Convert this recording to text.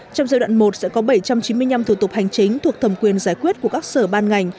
trong giai đoạn một sẽ có bảy trăm chín mươi năm thủ tục hành chính thuộc thẩm quyền giải quyết của các sở ban ngành